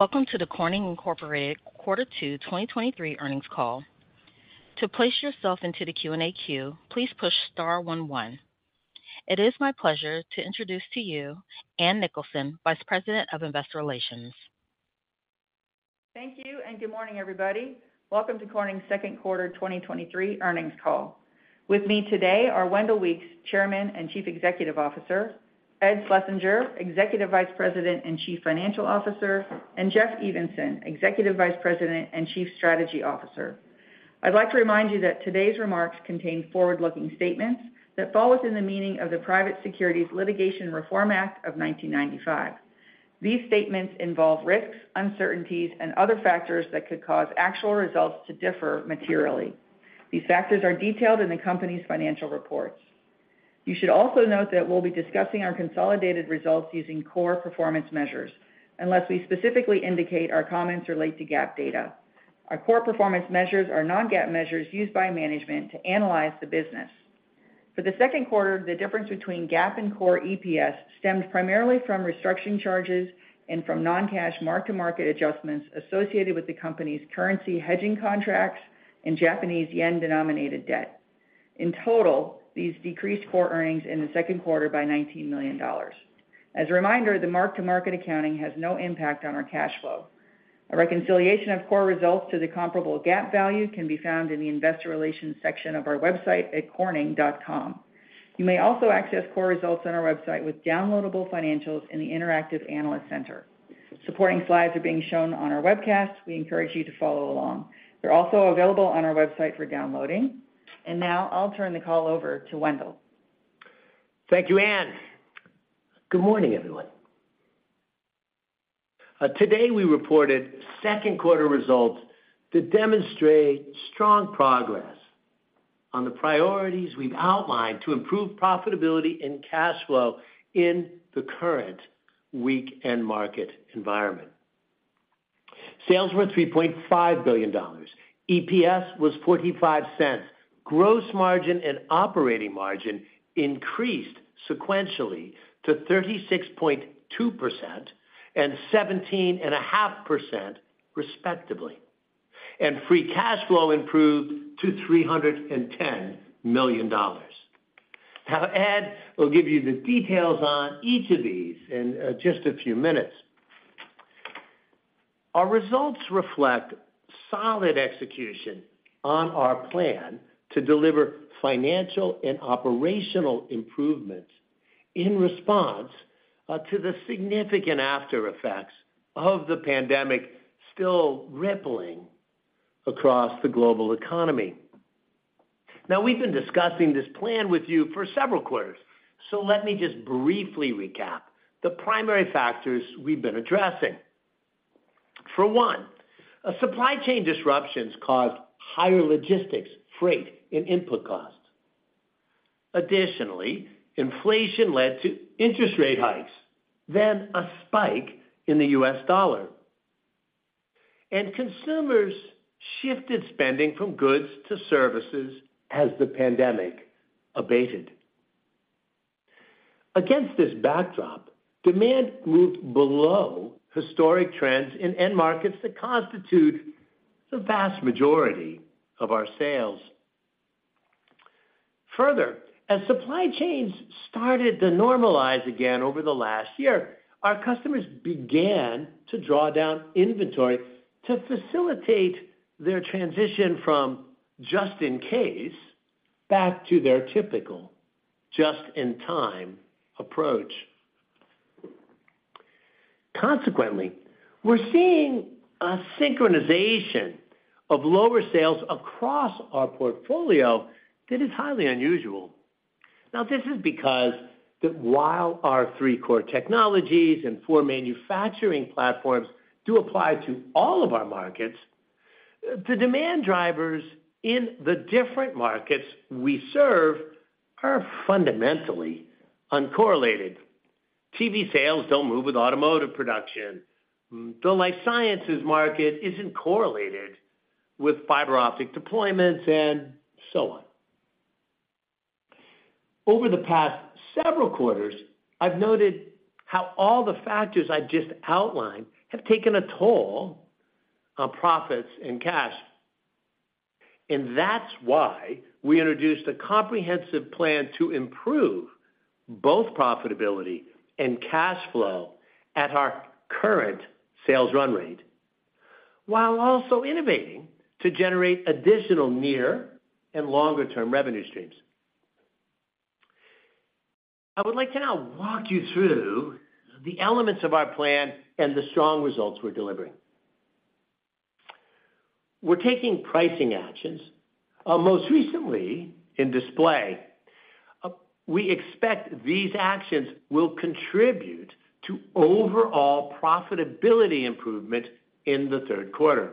Welcome to the Corning Incorporated Q2 2023 earnings call. To place yourself into the Q&A queue, please push star one. It is my pleasure to introduce to you Ann Nicholson, Vice President of Investor Relations. Thank you. Good morning, everybody. Welcome to Corning's Q2 2023 earnings call. With me today are Wendell Weeks, Chairman and Chief Executive Officer, Ed Schlesinger, Executive Vice President and Chief Financial Officer, and Jeff Evenson, Executive Vice President and Chief Strategy Officer. I'd like to remind you that today's remarks contain forward-looking statements that fall within the meaning of the Private Securities Litigation Reform Act of 1995. These statements involve risks, uncertainties, and other factors that could cause actual results to differ materially. These factors are detailed in the company's financial reports. You should also note that we'll be discussing our consolidated results using core performance measures. Unless we specifically indicate our comments relate to GAAP data. Our core performance measures are non-GAAP measures used by management to analyze the business. For the Q2, the difference between GAAP and core EPS stemmed primarily from restructuring charges and from non-cash mark-to-market adjustments associated with the company's currency hedging contracts and Japanese yen-denominated debt. In total, these decreased core earnings in the Q2 by $19 million. As a reminder, the mark-to-market accounting has no impact on our cash flow. A reconciliation of core results to the comparable GAAP value can be found in the investor relations section of our website at corning.com. You may also access core results on our website with downloadable financials in the Interactive Analyst Center. Supporting slides are being shown on our webcast. We encourage you to follow along. They're also available on our website for downloading. Now I'll turn the call over to Wendell. Thank you, Ann. Good morning, everyone. Today, we reported Q2 results that demonstrate strong progress on the priorities we've outlined to improve profitability and cash flow in the current weak end market environment. Sales were $3.5 billion. EPS was $0.45. Gross margin and operating margin increased sequentially to 36.2% and 17.5%, respectively. Free cash flow improved to $310 million. Ed will give you the details on each of these in just a few minutes. Our results reflect solid execution on our plan to deliver financial and operational improvements in response to the significant after-effects of the pandemic still rippling across the global economy. We've been discussing this plan with you for several quarters, so let me just briefly recap the primary factors we've been addressing. For one, supply chain disruptions caused higher logistics, freight, and input costs. Inflation led to interest rate hikes, then a spike in the US dollar, and consumers shifted spending from goods to services as the pandemic abated. Against this backdrop, demand moved below historic trends in end markets that constitute the vast majority of our sales. As supply chains started to normalize again over the last year, our customers began to draw down inventory to facilitate their transition from just in case back to their typical just-in-time approach. We're seeing a synchronization of lower sales across our portfolio that is highly unusual. This is because that while our 3 core technologies and 4 manufacturing platforms do apply to all of our markets, the demand drivers in the different markets we serve are fundamentally uncorrelated. TV sales don't move with automotive production. The life sciences market isn't correlated with fiber optic deployments, and so on. Over the past several quarters, I've noted how all the factors I just outlined have taken a toll on profits and cash, and that's why we introduced a comprehensive plan to improve both profitability and cash flow at our current sales run rate, while also innovating to generate additional near and longer-term revenue streams. I would like to now walk you through the elements of our plan and the strong results we're delivering. We're taking pricing actions, most recently in display. We expect these actions will contribute to overall profitability improvement in the Q3.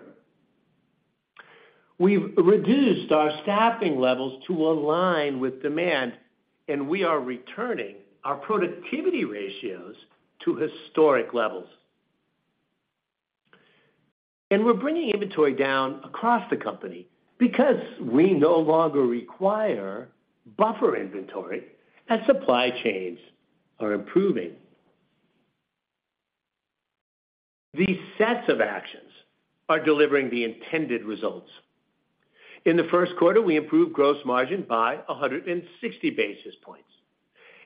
We've reduced our staffing levels to align with demand, and we are returning our productivity ratios to historic levels. We're bringing inventory down across the company because we no longer require buffer inventory as supply chains are improving. These sets of actions are delivering the intended results. In the Q1, we improved gross margin by 160 basis points,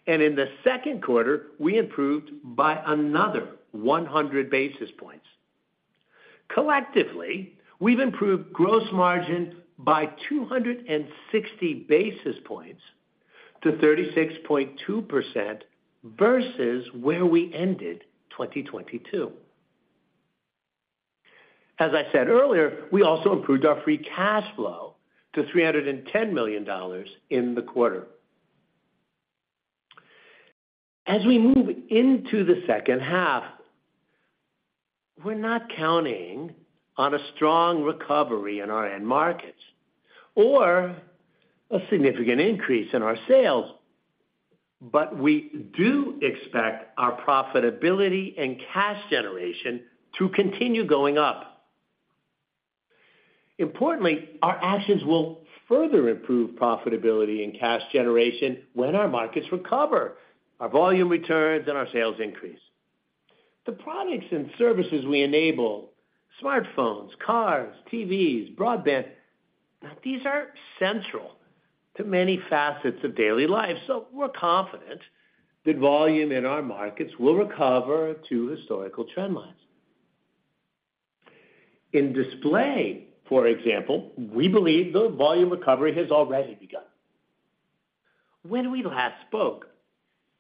and in the Q2, we improved by another 100 basis points. Collectively, we've improved gross margin by 260 basis points to 36.2% versus where we ended 2022. As I said earlier, we also improved our free cash flow to $310 million in the quarter. As we move into the H2, we're not counting on a strong recovery in our end markets or a significant increase in our sales, but we do expect our profitability and cash generation to continue going up. Importantly, our actions will further improve profitability and cash generation when our markets recover, our volume returns, and our sales increase. The products and services we enable, smartphones, cars, TVs, broadband, these are central to many facets of daily life, so we're confident that volume in our markets will recover to historical trend lines. In display, for example, we believe the volume recovery has already begun. When we last spoke,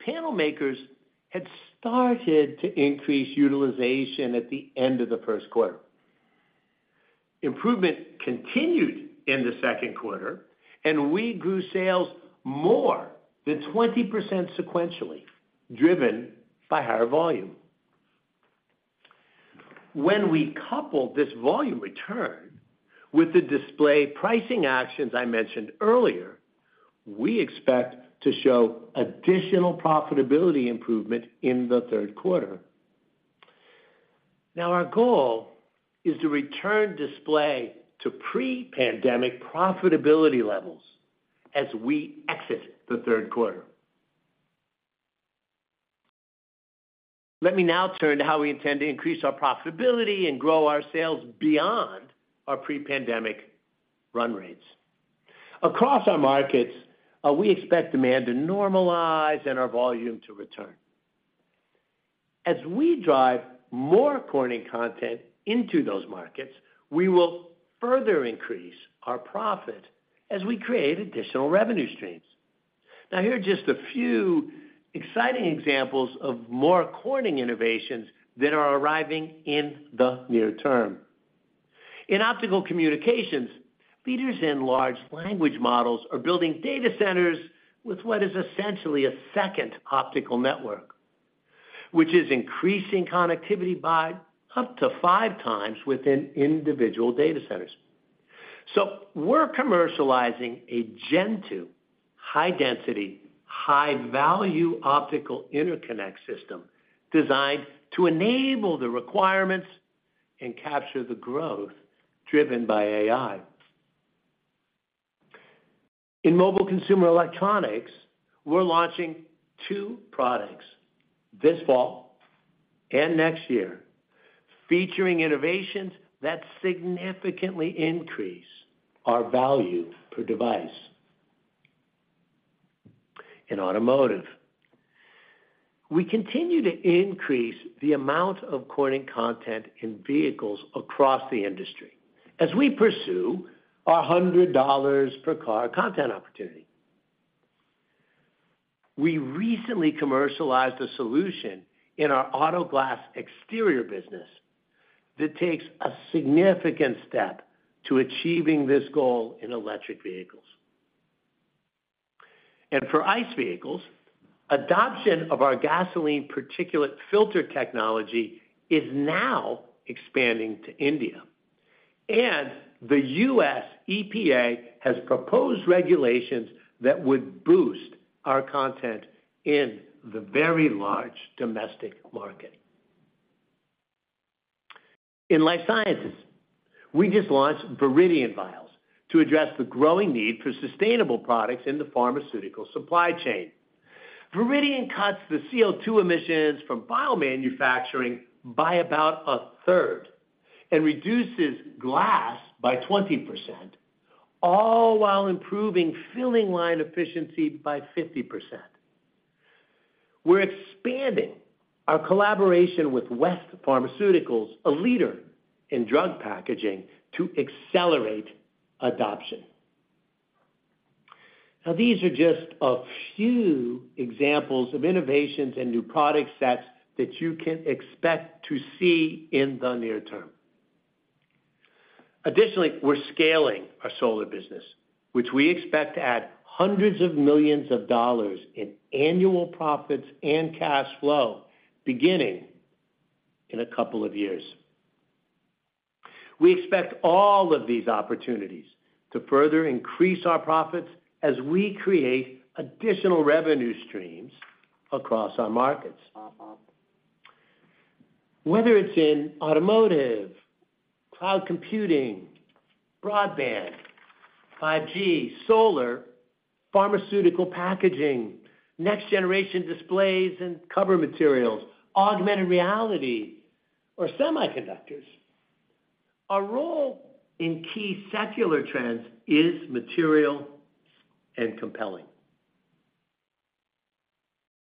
panel makers had started to increase utilization at the end of the Q1. Improvement continued in the Q2, and we grew sales more than 20% sequentially, driven by higher volume. When we couple this volume return with the display pricing actions I mentioned earlier, we expect to show additional profitability improvement in the Q3. Our goal is to return display to pre-pandemic profitability levels as we exit the Q3. Let me now turn to how we intend to increase our profitability and grow our sales beyond our pre-pandemic run rates. Across our markets, we expect demand to normalize and our volume to return. As we drive more Corning content into those markets, we will further increase our profit as we create additional revenue streams. Now, here are just a few exciting examples of more Corning innovations that are arriving in the near term. In optical communications, leaders in LLMs are building data centers with what is essentially a second optical network, which is increasing connectivity by up to 5x within individual data centers. We're commercializing a Gen AI high density, high value optical interconnect system designed to enable the requirements and capture the growth driven by AI. In mobile consumer electronics, we're launching 2 products this fall and next year, featuring innovations that significantly increase our value per device. In automotive, we continue to increase the amount of Corning content in vehicles across the industry as we pursue our $100 per car content opportunity. We recently commercialized a solution in our auto glass exterior business that takes a significant step to achieving this goal in electric vehicles. For ICE vehicles, adoption of our gasoline particulate filter technology is now expanding to India, and the US EPA has proposed regulations that would boost our content in the very large domestic market. In life sciences, we just launched Viridian vials to address the growing need for sustainable products in the pharmaceutical supply chain. Viridian cuts the CO2 emissions from vial manufacturing by about a third and reduces glass by 20%, all while improving filling line efficiency by 50%. We're expanding our collaboration with West Pharmaceuticals, a leader in drug packaging, to accelerate adoption. These are just a few examples of innovations and new product sets that you can expect to see in the near term. Additionally, we're scaling our solar business, which we expect to add hundreds of millions of dollars in annual profits and cash flow beginning in a couple of years. We expect all of these opportunities to further increase our profits as we create additional revenue streams across our markets. Whether it's in automotive, cloud computing, broadband, 5G, solar, pharmaceutical packaging, next generation displays and cover materials, augmented reality, or semiconductors, our role in key secular trends is material and compelling.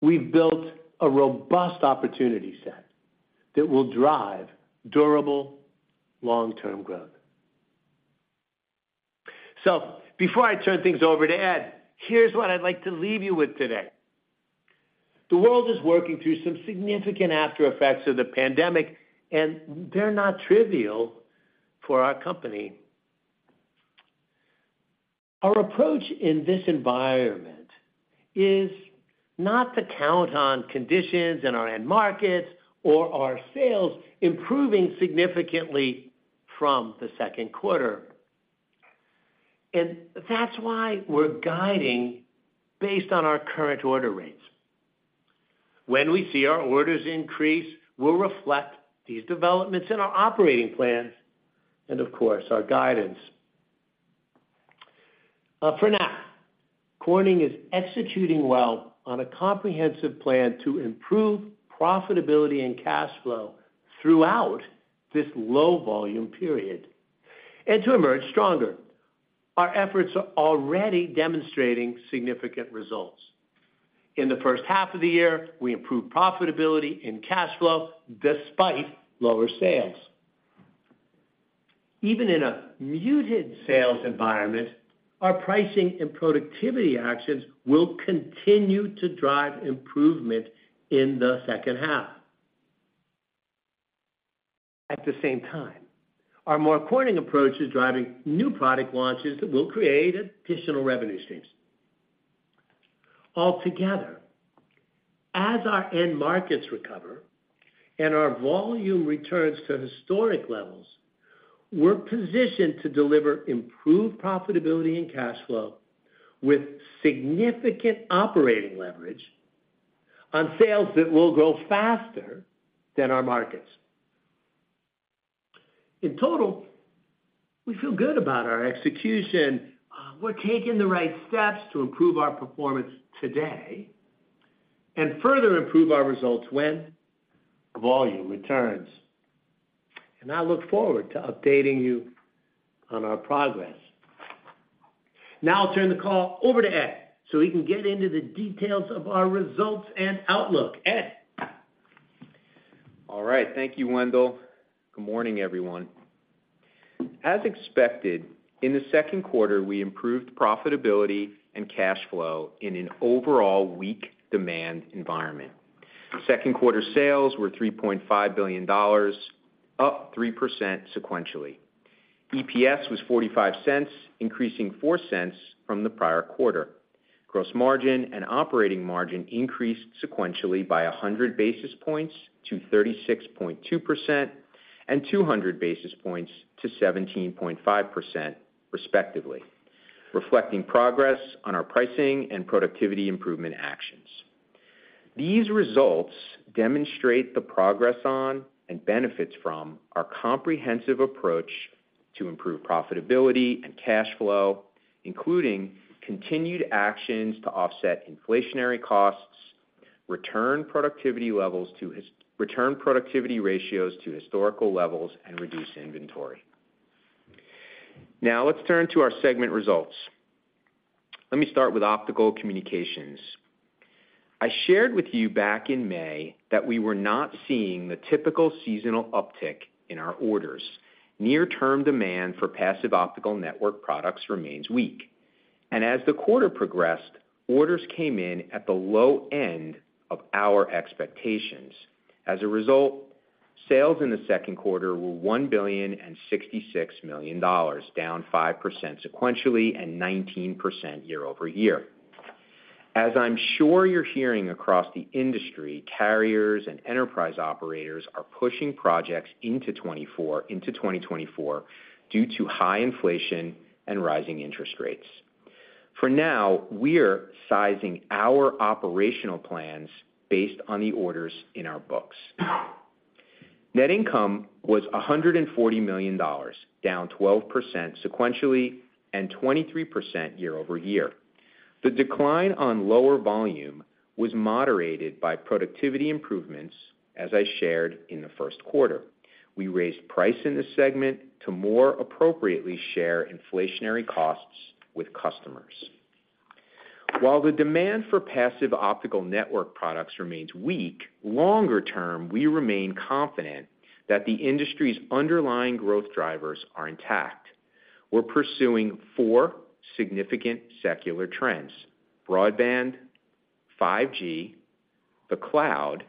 We've built a robust opportunity set that will drive durable long-term growth. Before I turn things over to Ed, here's what I'd like to leave you with today. The world is working through some significant after-effects of the pandemic, and they're not trivial for our company. Our approach in this environment is not to count on conditions in our end markets or our sales improving significantly from the Q2. That's why we're guiding based on our current order rates. When we see our orders increase, we'll reflect these developments in our operating plans and, of course, our guidance. For now, Corning is executing well on a comprehensive plan to improve profitability and cash flow throughout this low volume period and to emerge stronger. Our efforts are already demonstrating significant results. In the H1, we improved profitability and cash flow despite lower sales. Even in a muted sales environment, our pricing and productivity actions will continue to drive improvement in the second half. At the same time, our more Corning approach is driving new product launches that will create additional revenue streams. Altogether, as our end markets recover and our volume returns to historic levels, we're positioned to deliver improved profitability and cash flow with significant operating leverage on sales that will grow faster than our markets. In total, we feel good about our execution. We're taking the right steps to improve our performance today and further improve our results when volume returns. I look forward to updating you on our progress. Now I'll turn the call over to Ed, so he can get into the details of our results and outlook. Ed? All right. Thank you, Wendell. Good morning, everyone. As expected, in the Q2, we improved profitability and cash flow in an overall weak demand environment. Q2 sales were $3.5 billion, up 3% sequentially. EPS was $0.45, increasing $0.04 from the prior quarter. Gross margin and operating margin increased sequentially by 100 basis points to 36.2% and 200 basis points to 17.5%, respectively, reflecting progress on our pricing and productivity improvement actions. These results demonstrate the progress on, and benefits from, our comprehensive approach to improve profitability and cash flow, including continued actions to offset inflationary costs, return productivity ratios to historical levels, and reduce inventory. Let's turn to our segment results. Let me start with optical communications. I shared with you back in May that we were not seeing the typical seasonal uptick in our orders. Near-term demand for passive optical network products remains weak. As the quarter progressed, orders came in at the low end of our expectations. As a result, sales in the Q2 were $1.066 billion, down 5% sequentially and 19% year-over-year. As I'm sure you're hearing across the industry, carriers and enterprise operators are pushing projects into 2024, due to high inflation and rising interest rates. For now, we're sizing our operational plans based on the orders in our books. Net income was $140 million, down 12% sequentially and 23% year-over-year. The decline on lower volume was moderated by productivity improvements, as I shared in the Q1. We raised price in this segment to more appropriately share inflationary costs with customers. While the demand for passive optical network products remains weak, longer term, we remain confident that the industry's underlying growth drivers are intact. We're pursuing four significant secular trends: broadband, 5G, the cloud,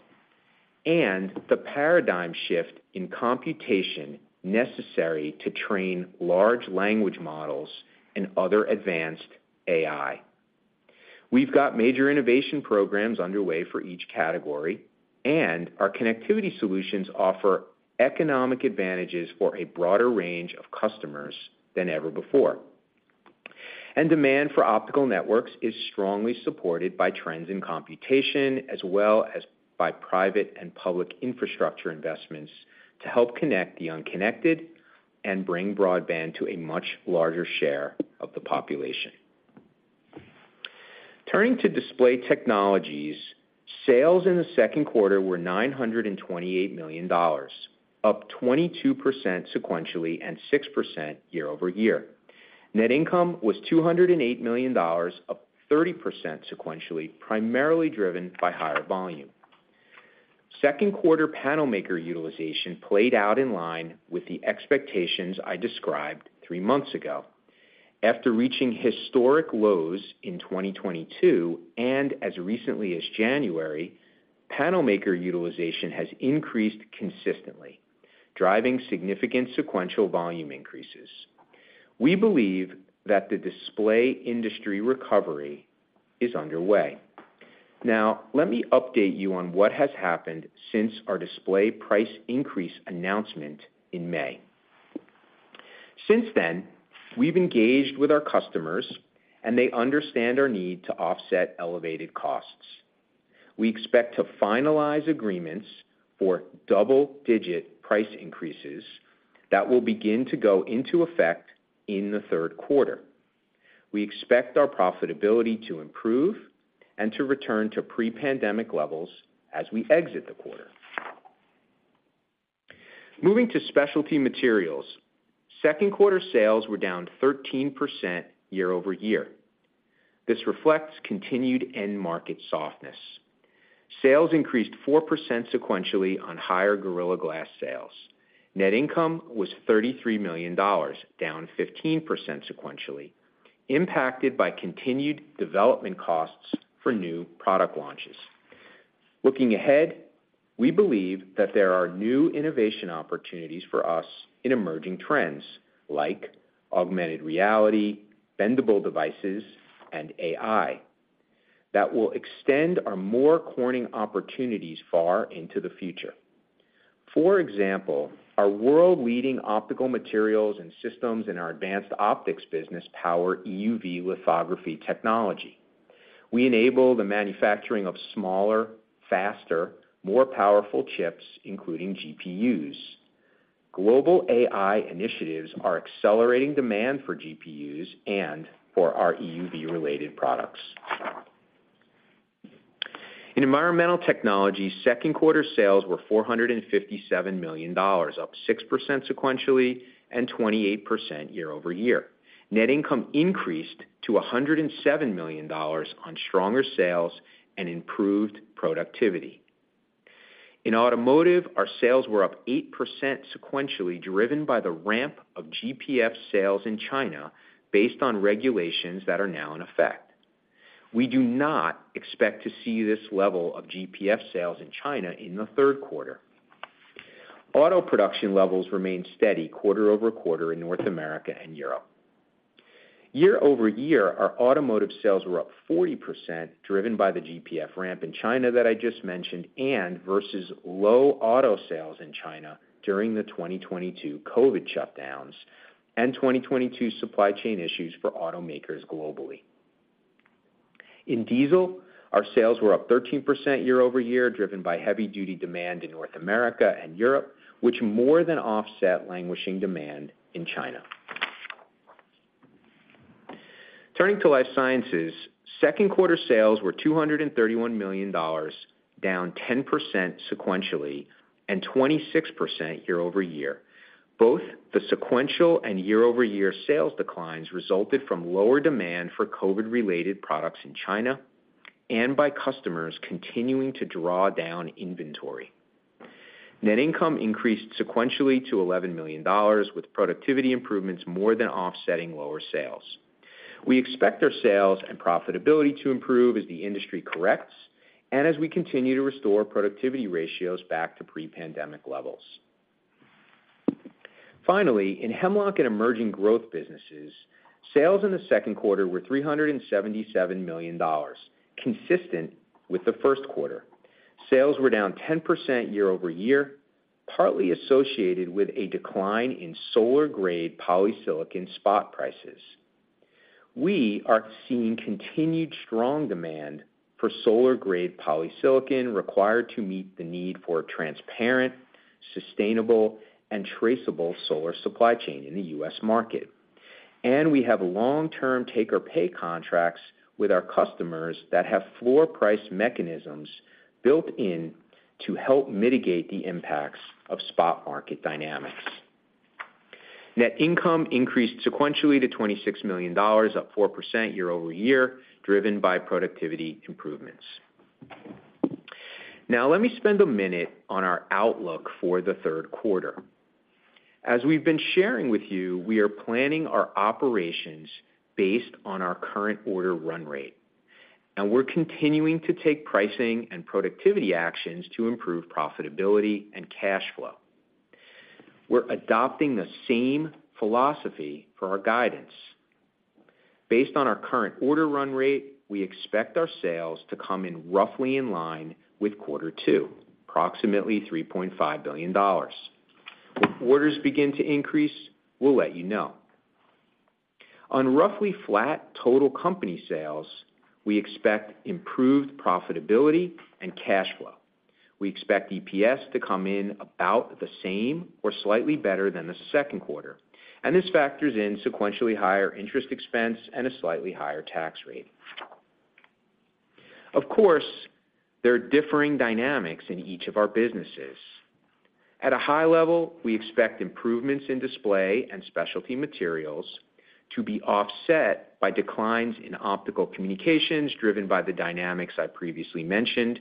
and the paradigm shift in computation necessary to train LLMs and other advanced AI. We've got major innovation programs underway for each category, our connectivity solutions offer economic advantages for a broader range of customers than ever before. Demand for optical networks is strongly supported by trends in computation, as well as by private and public infrastructure investments, to help connect the unconnected and bring broadband to a much larger share of the population. Turning to display technologies, sales in the Q2 were $928 million, up 22% sequentially and 6% year-over-year. Net income was $208 million, up 30% sequentially, primarily driven by higher volume. Q2 panel maker utilization played out in line with the expectations I described three months ago. After reaching historic lows in 2022, and as recently as January, panel maker utilization has increased consistently, driving significant sequential volume increases. We believe that the display industry recovery is underway. Let me update you on what has happened since our display price increase announcement in May. Since then, we've engaged with our customers, and they understand our need to offset elevated costs. We expect to finalize agreements for double-digit price increases that will begin to go into effect in the Q3. We expect our profitability to improve and to return to pre-pandemic levels as we exit the quarter. Moving to specialty materials, Q2 sales were down 13% year-over-year. This reflects continued end market softness. Sales increased 4% sequentially on higher Gorilla Glass sales. Net income was $33 million, down 15% sequentially, impacted by continued development costs for new product launches. Looking ahead, we believe that there are new innovation opportunities for us in emerging trends like augmented reality, bendable devices, and AI, that will extend our more Corning opportunities far into the future. For example, our world-leading optical materials and systems in our advanced optics business power EUV lithography technology. We enable the manufacturing of smaller, faster, more powerful chips, including GPUs. Global AI initiatives are accelerating demand for GPUs and for our EUV-related products. In environmental technology, Q2 sales were $457 million, up 6% sequentially and 28% year-over-year. Net income increased to $107 million on stronger sales and improved productivity. In automotive, our sales were up 8% sequentially, driven by the ramp of GPF sales in China, based on regulations that are now in effect. We do not expect to see this level of GPF sales in China in the Q3. Auto production levels remain steady quarter-over-quarter in North America and Europe. Year-over-year, our automotive sales were up 40%, driven by the GPF ramp in China that I just mentioned, and versus low auto sales in China during the 2022 COVID shutdowns and 2022 supply chain issues for automakers globally. In diesel, our sales were up 13% year-over-year, driven by heavy duty demand in North America and Europe, which more than offset languishing demand in China. Turning to life sciences, Q2 sales were $231 million, down 10% sequentially and 26% year-over-year. Both the sequential and year-over-year sales declines resulted from lower demand for COVID-related products in China and by customers continuing to draw down inventory. Net income increased sequentially to $11 million, with productivity improvements more than offsetting lower sales. We expect our sales and profitability to improve as the industry corrects and as we continue to restore productivity ratios back to pre-pandemic levels. Finally, in Hemlock and Emerging Growth businesses, sales in the Q2 were $377 million, consistent with the Q1. Sales were down 10% year-over-year, partly associated with a decline in solar-grade polysilicon spot prices. We are seeing continued strong demand for solar-grade polysilicon, required to meet the need for transparent, sustainable, and traceable solar supply chain in the US market. We have long-term take-or-pay contracts with our customers that have floor price mechanisms built in to help mitigate the impacts of spot market dynamics. Net income increased sequentially to $26 million, up 4% year-over-year, driven by productivity improvements. Let me spend a minute on our outlook for the Q3. As we've been sharing with you, we are planning our operations based on our current order run rate, and we're continuing to take pricing and productivity actions to improve profitability and cash flow. We're adopting the same philosophy for our guidance. Based on our current order run rate, we expect our sales to come in roughly in line with Q2, approximately $3.5 billion. If orders begin to increase, we'll let you know. On roughly flat total company sales, we expect improved profitability and cash flow. We expect EPS to come in about the same or slightly better than the Q2. This factors in sequentially higher interest expense and a slightly higher tax rate. Of course, there are differing dynamics in each of our businesses. At a high level, we expect improvements in display and specialty materials to be offset by declines in optical communications, driven by the dynamics I previously mentioned,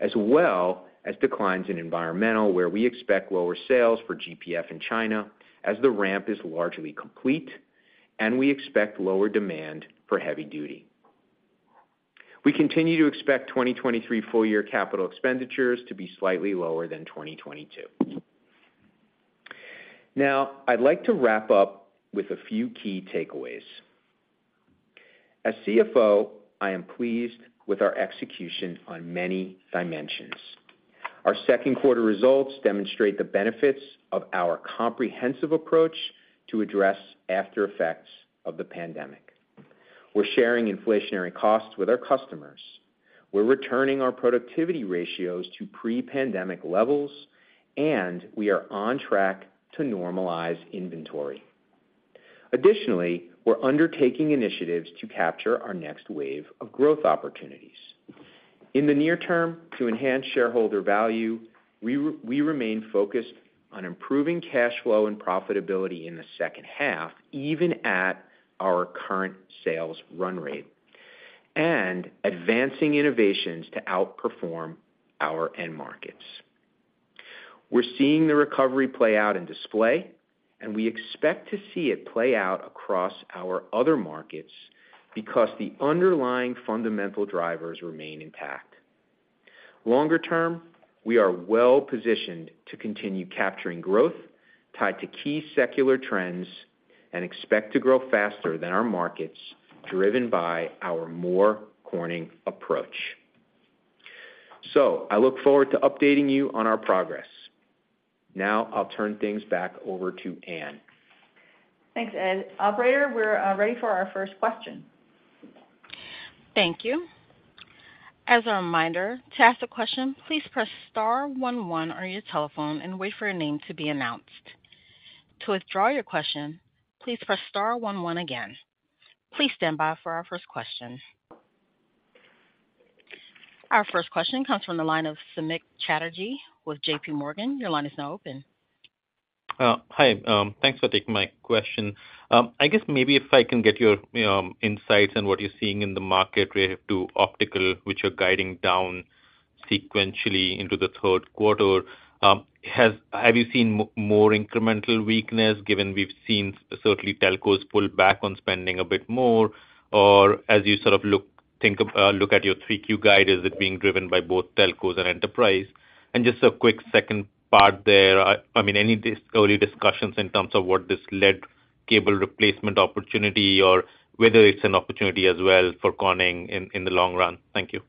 as well as declines in environmental, where we expect lower sales for GPF in China as the ramp is largely complete. We expect lower demand for heavy duty. We continue to expect 2023 full year capital expenditures to be slightly lower than 2022. Now, I'd like to wrap up with a few key takeaways. As CFO, I am pleased with our execution on many dimensions. Our Q2 results demonstrate the benefits of our comprehensive approach to address after-effects of the pandemic. We're sharing inflationary costs with our customers, we're returning our productivity ratios to pre-pandemic levels, and we are on track to normalize inventory. Additionally, we're undertaking initiatives to capture our next wave of growth opportunities. In the near term, to enhance shareholder value, we remain focused on improving cash flow and profitability in the second half, even at our current sales run rate, and advancing innovations to outperform our end markets. We're seeing the recovery play out in display, and we expect to see it play out across our other markets because the underlying fundamental drivers remain intact. Longer term, we are well positioned to continue capturing growth tied to key secular trends and expect to grow faster than our markets, driven by our more Corning approach. I look forward to updating you on our progress. Now I'll turn things back over to Ann. Thanks, Ed. Operator, we're ready for our first question. Thank you. As a reminder, to ask a question, please press star one one on your telephone and wait for your name to be announced. To withdraw your question, please press star one one again. Please stand by for our first question. Our first question comes from the line of Samik Chatterjee with JPMorgan. Your line is now open. Hi, thanks for taking my question. I guess maybe if I can get your insights on what you're seeing in the market with to optical, which are guiding down sequentially into the Q3. Have you seen more incremental weakness given we've seen certainly Telcos pull back on spending a bit more, or as you sort of look at your Q3 guide, is it being driven by both Telcos and enterprise? Just a quick second part there. I mean, any early discussions in terms of what this led cable replacement opportunity or whether it's an opportunity as well for Corning in the long run? Thank you.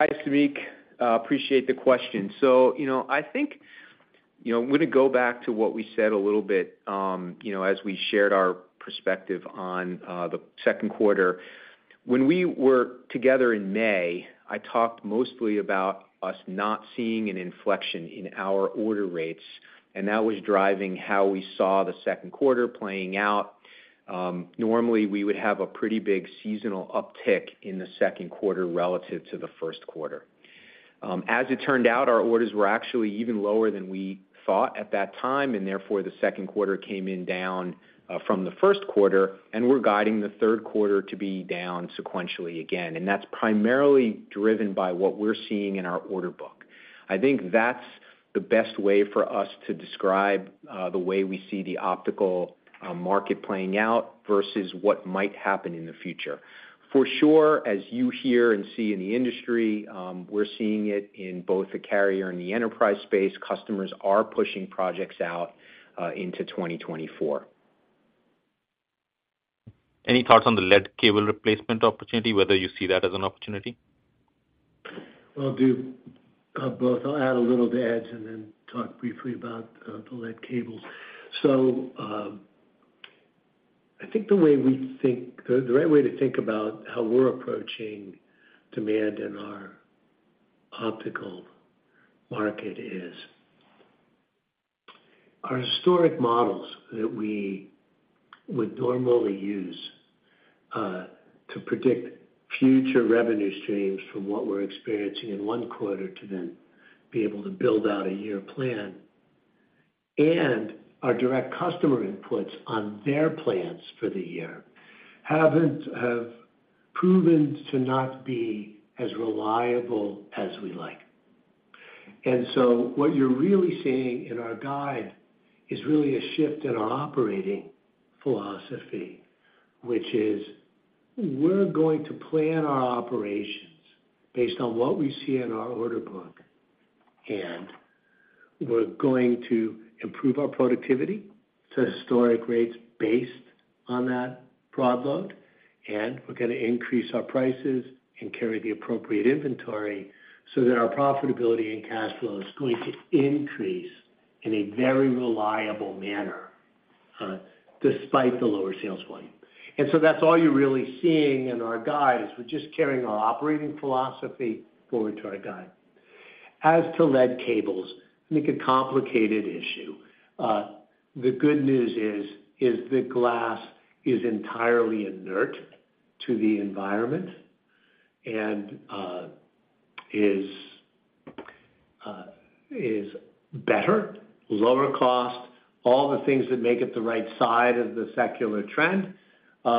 Hi, Samik, appreciate the question. You know, I think, you know, I'm gonna go back to what we said a little bit, you know, as we shared our perspective on the Q2. When we were together in May, I talked mostly about us not seeing an inflection in our order rates, and that was driving how we saw the Q2 playing out. Normally, we would have a pretty big seasonal uptick in the Q2 relative to the Q1. As it turned out, our orders were actually even lower than we thought at that time, and therefore, the Q2 came in down from the Q1, and we're guiding the Q3 to be down sequentially again, and that's primarily driven by what we're seeing in our order book. I think that's the best way for us to describe the way we see the optical market playing out versus what might happen in the future. For sure, as you hear and see in the industry, we're seeing it in both the carrier and the enterprise space. Customers are pushing projects out into 2024. Any thoughts on the lead cable replacement opportunity, whether you see that as an opportunity? Well, I'll do both. I'll add a little to Ed's and then talk briefly about the lead cables. I think the way we think, the right way to think about how we're approaching demand in our optical market is, our historic models that we would normally use to predict future revenue streams from what we're experiencing in one quarter to then be able to build out a year plan, and our direct customer inputs on their plans for the year, have proven to not be as reliable as we like. What you're really seeing in our guide is really a shift in our operating philosophy, which is, we're going to plan our operations based on what we see in our order book. We're going to improve our productivity to historic rates based on that prod load, and we're gonna increase our prices and carry the appropriate inventory so that our profitability and cash flow is going to increase in a very reliable manner, despite the lower sales volume. That's all you're really seeing in our guide, is we're just carrying our operating philosophy forward to our guide. As to lead cables, I think a complicated issue. The good news is the glass is entirely inert to the environment, and is better, lower cost. All the things that make it the right side of the secular trend,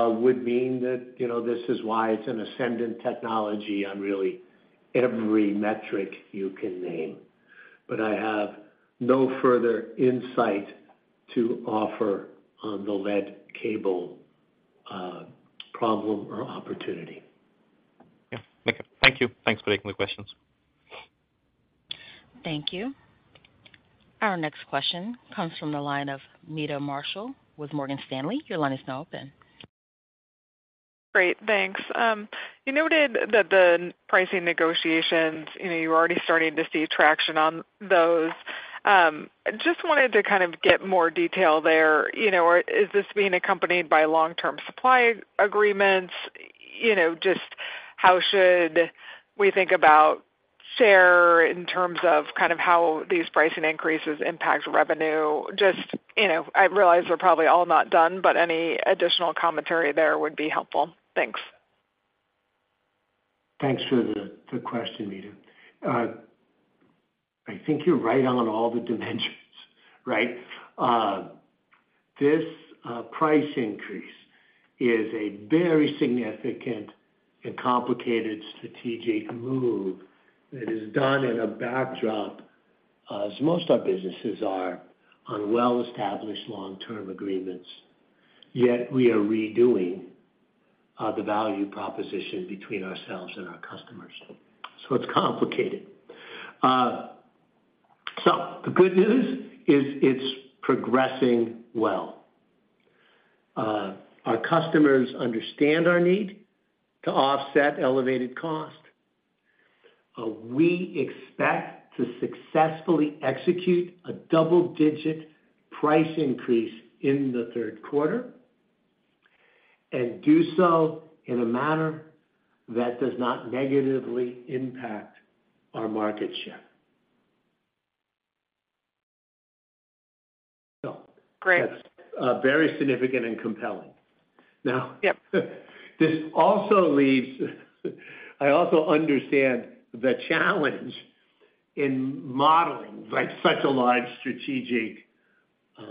would mean that, you know, this is why it's an ascendant technology on really every metric you can name. I have no further insight to offer on the lead cable, problem or opportunity. Yeah, okay. Thank you. Thanks for taking the questions. Thank you. Our next question comes from the line of Meta Marshall with Morgan Stanley. Your line is now open. Great, thanks. You noted that the pricing negotiations, you know, you're already starting to see traction on those. Just wanted to kind of get more detail there. You know, is this being accompanied by long-term supply agreements? You know, just how should we think about share in terms of kind of how these pricing increases impact revenue? Just, you know, I realize they're probably all not done, but any additional commentary there would be helpful. Thanks. Thanks for the question, Meta. I think you're right on all the dimensions, right? This price increase is a very significant and complicated strategic move that is done in a backdrop, as most our businesses are on well-established long-term agreements, yet we are redoing the value proposition between ourselves and our customers. It's complicated. The good news is it's progressing well. Our customers understand our need to offset elevated cost. We expect to successfully execute a double-digit price increase in the Q3, and do so in a manner that does not negatively impact our market share. Great. very significant and compelling. Now, Yep. I also understand the challenge in modeling, like, such a large strategic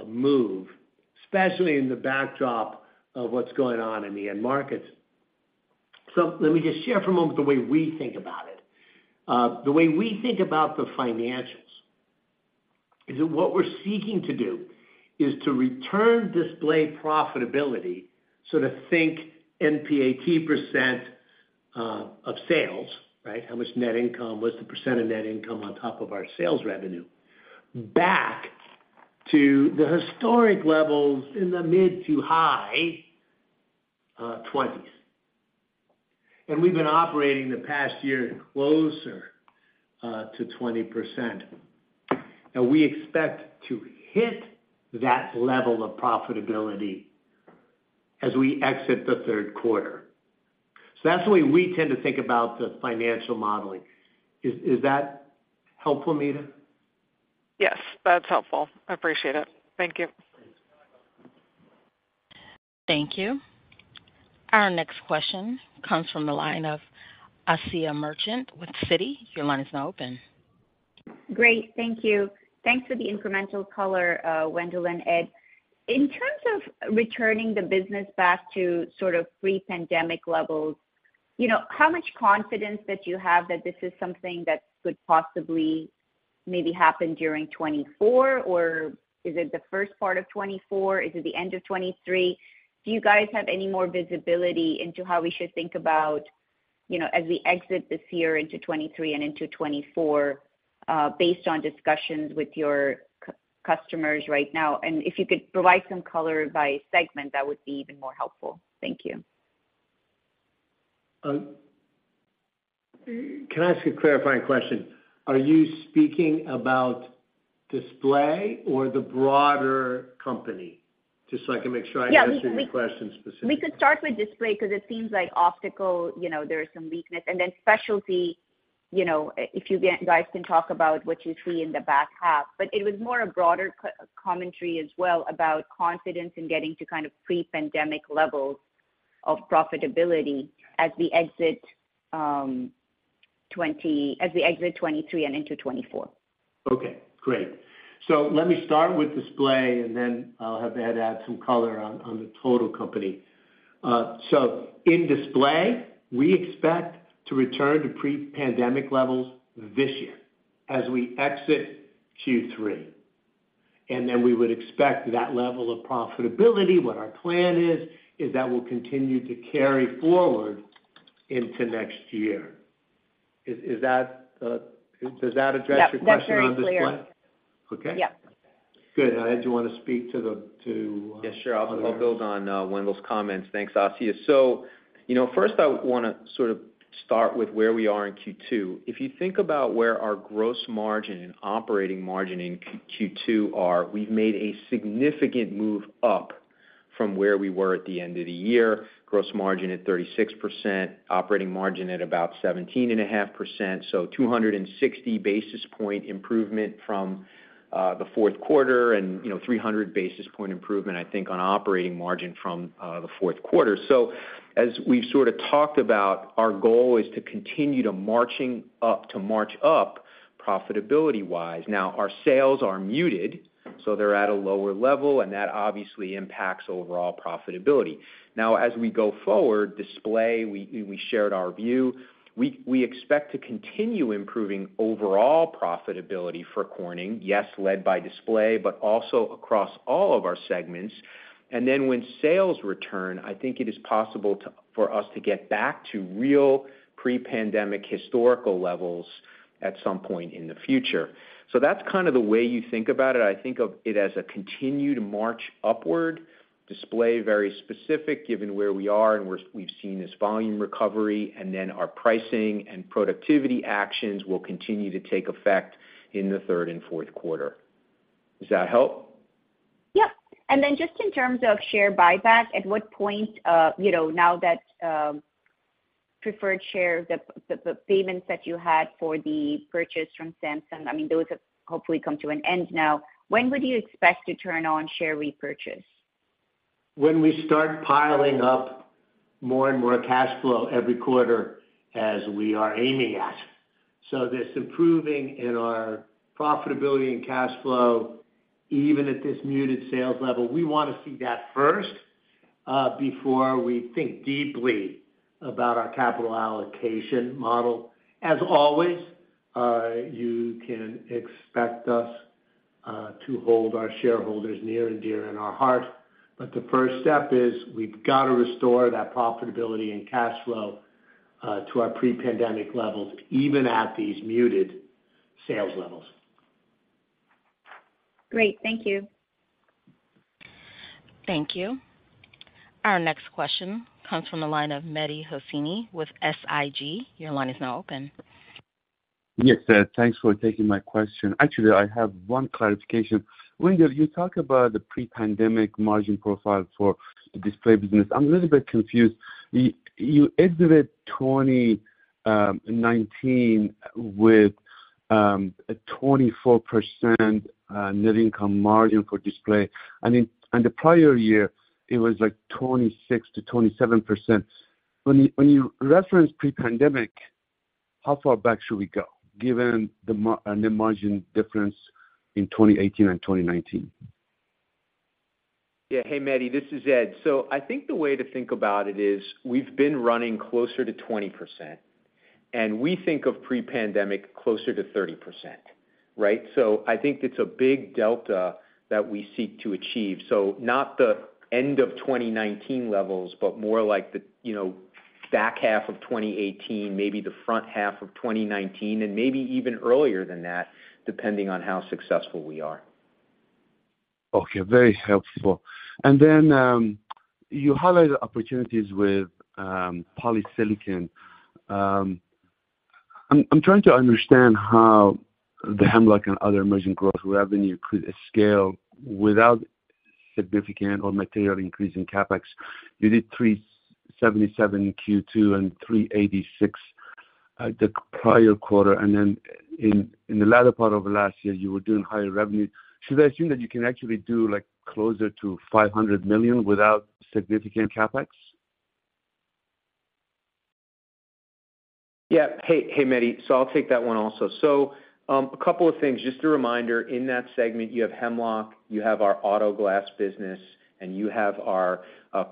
move, especially in the backdrop of what's going on in the end markets. Let me just share for a moment the way we think about it. The way we think about the financials, is that what we're seeking to do is to return display profitability, so to think NPAT % of sales, right? How much net income, what's the % of net income on top of our sales revenue, back to the historic levels in the mid-to-high 20s. We've been operating the past year closer to 20%. We expect to hit that level of profitability as we exit the Q3. That's the way we tend to think about the financial modeling. Is that helpful, Meta? Yes, that's helpful. I appreciate it. Thank you. Thank you. Our next question comes from the line of Asiya Merchant with Citi. Your line is now open. Great, thank you. Thanks for the incremental color, Wendell and Ed. In terms of returning the business back to sort of pre-pandemic levels, you know, how much confidence that you have that this is something that could possibly maybe happen during 2024, or is it the first part of 2024? Is it the end of 2023? Do you guys have any more visibility into how we should think about, you know, as we exit this year into 2023 and into 2024, based on discussions with your customers right now? If you could provide some color by segment, that would be even more helpful. Thank you. Can I ask a clarifying question? Are you speaking about display or the broader company? Just so I can make sure I answer your question specifically. We could start with display, because it seems like optical, you know, there is some weakness, and then specialty, you know, if you guys can talk about what you see in the back half. It was more a broader commentary as well, about confidence in getting to kind of pre-pandemic levels of profitability as we exit 2023 and into 2024. Okay, great. Let me start with display, and then I'll have Ed add some color on the total company. In display, we expect to return to pre-pandemic levels this year as we exit Q3. We would expect that level of profitability, what our plan is that will continue to carry forward into next year. Is that does that address your question on this one? Yep, that's very clear. Okay. Yep. Good. Ed, do you want to speak to the? Yes, sure. I'll build on Wendell's comments. Thanks, Asiya. You know, first, I wanna sort of start with where we are in Q2. If you think about where our gross margin and operating margin in Q2 are, we've made a significant move up from where we were at the end of the year. Gross margin at 36%, operating margin at about 17.5%, 260 basis point improvement from the Q4 and, you know, 300 basis point improvement, I think, on operating margin from the Q4. As we've sort of talked about, our goal is to continue to march up profitability-wise. Now, our sales are muted, so they're at a lower level, and that obviously impacts overall profitability. Now, as we go forward, display, we shared our view. We expect to continue improving overall profitability for Corning, yes, led by display, but also across all of our segments. When sales return, I think it is possible for us to get back to real pre-pandemic historical levels at some point in the future. That's kind of the way you think about it. I think of it as a continued march upward, display, very specific, given where we are, and we've seen this volume recovery, and then our pricing and productivity actions will continue to take effect in the Q3 and Q4. Does that help? Yep. Just in terms of share buyback, at what point, you know, now that preferred share, the payments that you had for the purchase from Samsung, I mean, those have hopefully come to an end now. When would you expect to turn on share repurchase? When we start piling up more and more cash flow every quarter as we are aiming at. This improving in our profitability and cash flow, even at this muted sales level, we wanna see that first before we think deeply about our capital allocation model. Always, you can expect us to hold our shareholders near and dear in our heart, but the first step is we've got to restore that profitability and cash flow to our pre-pandemic levels, even at these muted sales levels. Great. Thank you. Thank you. Our next question comes from the line of Mehdi Hosseini with SIG. Your line is now open. Yes, thanks for taking my question. Actually, I have one clarification. Wendell, you talk about the pre-pandemic margin profile for the display business. I'm a little bit confused. You ended 2019 with a 24% net income margin for display. I mean, the prior year, it was like 26%-27%. When you reference pre-pandemic, how far back should we go, given the margin difference in 2018 and 2019? Yeah. Hey, Mehdi, this is Ed. I think the way to think about it is, we've been running closer to 20%, and we think of pre-pandemic closer to 30%, right? I think it's a big delta that we seek to achieve. Not the end of 2019 levels, but more like the, you know, back half of 2018, maybe the front half of 2019, and maybe even earlier than that, depending on how successful we are. Okay, very helpful. Then, you highlight the opportunities with polysilicon. I'm trying to understand how the Hemlock and other emerging growth revenue could scale without significant or material increase in CapEx. You did $377 million Q2 and $386 million, the prior quarter, and then in the latter part of last year, you were doing higher revenue. Should I assume that you can actually do, like, closer to $500 million without significant CapEx? Hey, Mehdi, I'll take that one also. A couple of things. Just a reminder, in that segment, you have Hemlock, you have our auto glass business, and you have our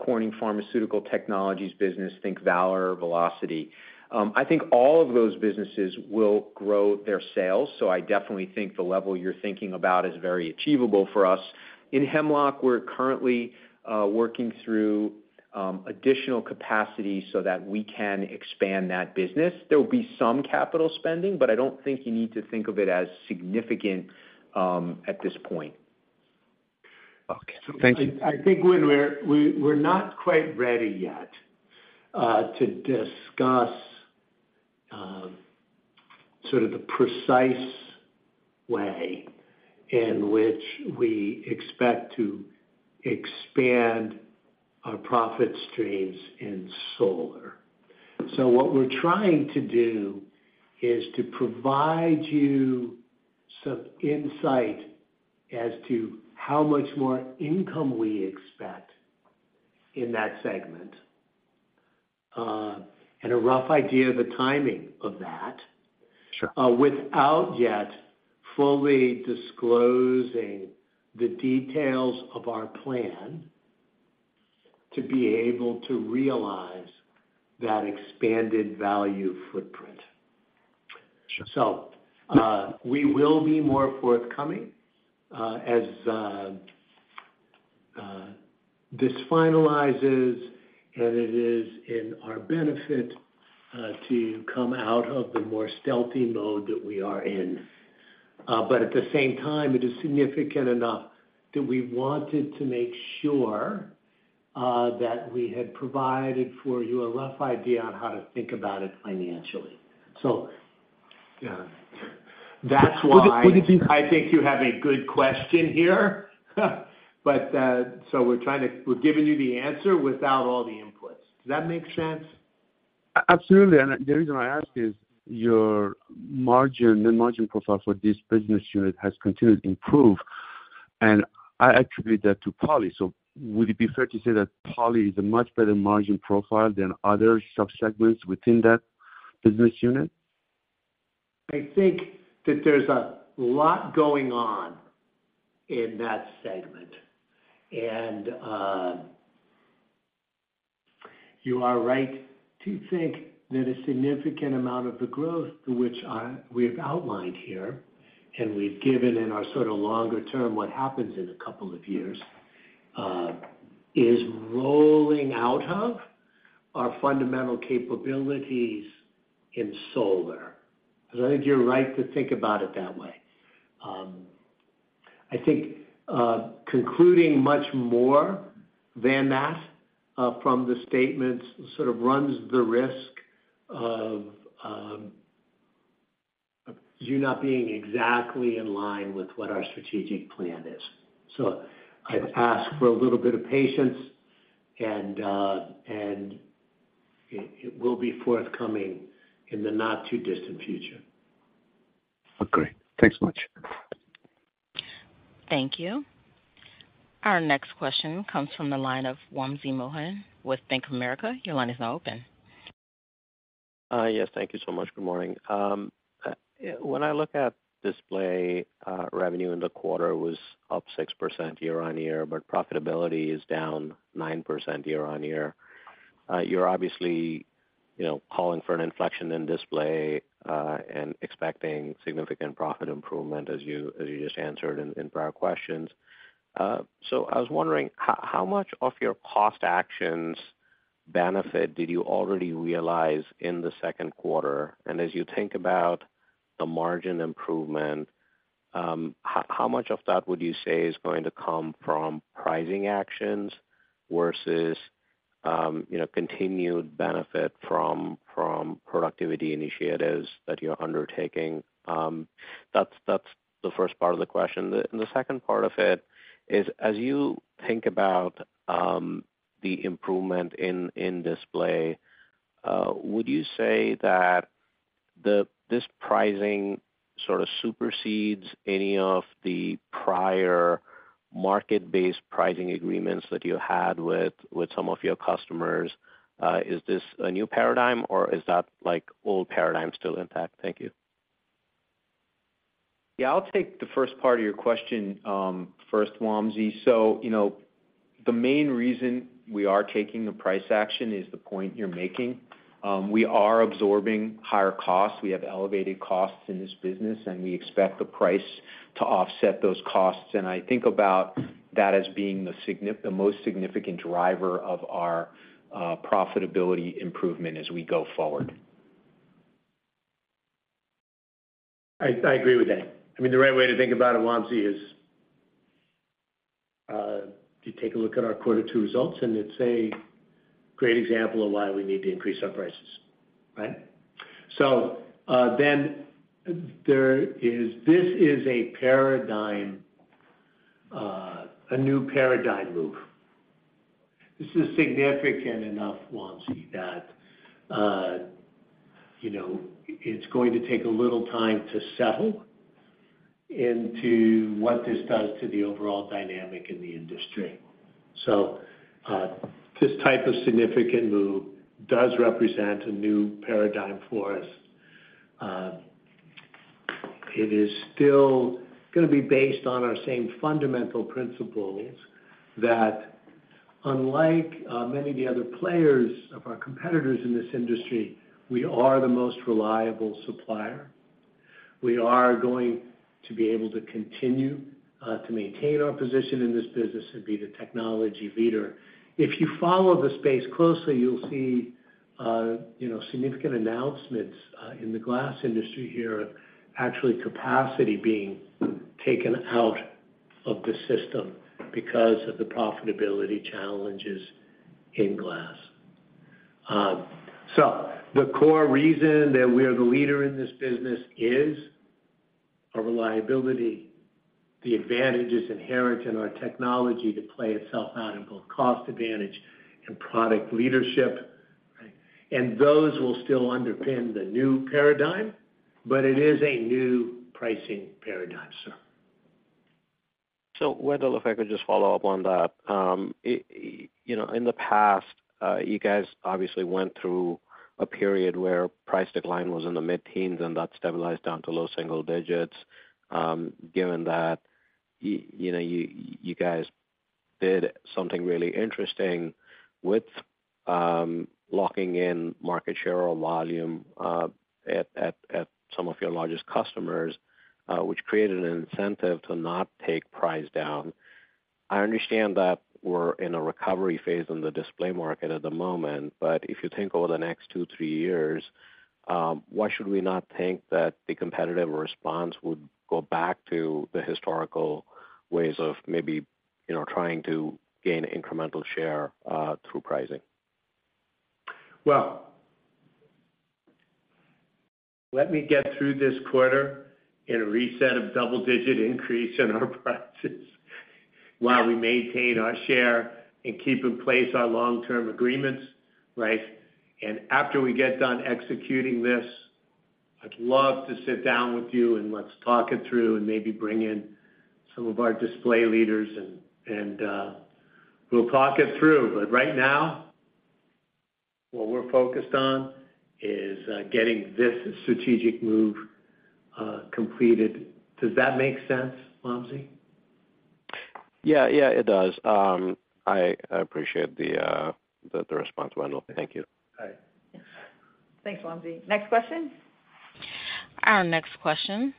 Corning Pharmaceutical Technologies business, think Valor, Velocity. I think all of those businesses will grow their sales. I definitely think the level you're thinking about is very achievable for us. In Hemlock, we're currently working through additional capacity so that we can expand that business. There will be some capital spending. I don't think you need to think of it as significant at this point. Okay, thank you. I think we're not quite ready yet to discuss sort of the precise way in which we expect to expand our profit streams in solar. What we're trying to do is to provide you some insight as to how much more income we expect in that segment, and a rough idea of the timing of that. Sure. Without yet fully disclosing the details of our plan to be able to realize that expanded value footprint. We will be more forthcoming as this finalizes, and it is in our benefit to come out of the more stealthy mode that we are in. At the same time, it is significant enough that we wanted to make sure that we had provided for you a rough idea on how to think about it financially. Yeah, that's why. Would it be- I think you have a good question here. We've given you the answer without all the inputs. Does that make sense? Absolutely. The reason I ask is, your margin, the margin profile for this business unit has continued to improve, and I attribute that to poly. Would it be fair to say that poly is a much better margin profile than other subsegments within that business unit? I think that there's a lot going on in that segment. You are right to think that a significant amount of the growth, which we've outlined here, and we've given in our sort of longer term, what happens in a couple of years, is rolling out of our fundamental capabilities in solar. I think you're right to think about it that way. I think concluding much more than that from the statements, sort of runs the risk of you not being exactly in line with what our strategic plan is. I'd ask for a little bit of patience, and it will be forthcoming in the not-too-distant future. Okay. Thanks much. Thank you. Our next question comes from the line of Wamsi Mohan with Bank of America. Your line is now open. Yes, thank you so much. Good morning. When I look at display, revenue in the quarter was up 6% year-over-year, but profitability is down 9% year-over-year. You're obviously, you know, calling for an inflection in display and expecting significant profit improvement, as you just answered in prior questions. So I was wondering, how much of your cost actions benefit did you already realize in the Q2? As you think about the margin improvement, how much of that would you say is going to come from pricing actions versus, you know, continued benefit from productivity initiatives that you're undertaking? That's the first part of the question. The second part of it is: as you think about the improvement in display, would you say that this pricing sort of supersedes any of the prior market-based pricing agreements that you had with some of your customers? Is this a new paradigm, or is that, like, old paradigm still intact? Thank you. Yeah, I'll take the first part of your question, first, Wamsi. You know, the main reason we are taking the price action is the point you're making. We are absorbing higher costs. We have elevated costs in this business, and we expect the price to offset those costs. I think about that as being the most significant driver of our profitability improvement as we go forward. I agree with that. I mean, the right way to think about it, Wamsi Mohan, is to take a look at our Q2 results, and it's a great example of why we need to increase our prices, right? This is a paradigm, a new paradigm move. This is significant enough, Wamsi Mohan, that, you know, it's going to take a little time to settle into what this does to the overall dynamic in the industry. This type of significant move does represent a new paradigm for us. It is still gonna be based on our same fundamental principles, that unlike many of the other players of our competitors in this industry, we are the most reliable supplier. We are going to be able to continue to maintain our position in this business and be the technology leader. If you follow the space closely, you'll see, you know, significant announcements, in the glass industry here, of actually capacity being taken out of the system because of the profitability challenges in glass. The core reason that we are the leader in this business is our reliability, the advantages inherent in our technology to play itself out in both cost advantage and product leadership, right? Those will still underpin the new paradigm, but it is a new pricing paradigm. Wendell, if I could just follow up on that. you know, in the past, you guys obviously went through a period where price decline was in the mid-teens, and that stabilized down to low single digits. given that, you know, you guys did something really interesting with, locking in market share or volume, at some of your largest customers, which created an incentive to not take price down. I understand that we're in a recovery phase in the display market at the moment, but if you think over the next two, three years, why should we not think that the competitive response would go back to the historical ways of maybe, you know, trying to gain incremental share, through pricing? Well, let me get through this quarter in a reset of double-digit increase in our prices, while we maintain our share and keep in place our long-term agreements, right? After we get done executing this, I'd love to sit down with you, and let's talk it through and maybe bring in some of our display leaders, and we'll talk it through. Right now, what we're focused on is getting this strategic move completed. Does that make sense, Wamsi? Yeah, yeah, it does. I appreciate the response, Wendell. Thank you. All right. Thanks, Wamsi Mohan. Next question. Our next question